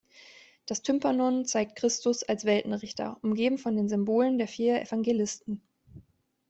Das Tympanon zeigt Christus als Weltenrichter, umgeben von den Symbolen der vier Evangelisten.